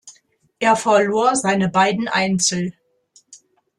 Er verlor seine beiden Einzel.